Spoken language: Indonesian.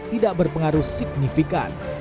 tidak berpengaruh signifikan